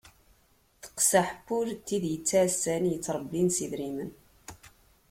Teqsaḥ n wul n tid i yettɛassan i yettrebbin s yedrimen.